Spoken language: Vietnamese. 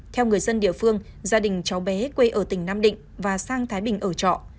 theo người dân địa phương gia đình cháu bé quê ở tỉnh nam định và sang thái bình ở trọ